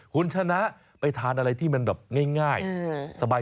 คุณชนะไปทานอะไรที่มันแบบง่ายสบาย